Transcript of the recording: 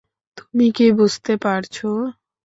তুমি কি বুঝতে পারছ?